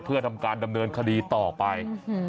เพื่อทำการดำเนินคดีต่อไป